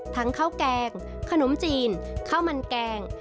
ข้าวแกงขนมจีนข้าวมันแกง